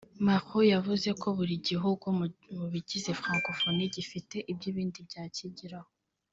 Macron yavuze ko buri gihugu mu bigize Francophonie gifite ibyo ibindi byakigiraho